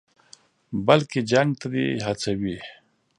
بلکې جنګ ته دې هڅوي.